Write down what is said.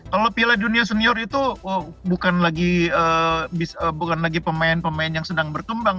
kalau piala dunia senior itu bukan lagi pemain pemain yang sedang berkembang